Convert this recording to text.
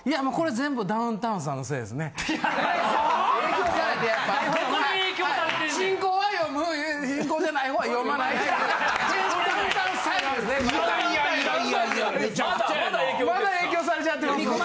全部ダウンタウンさんが悪いんですね。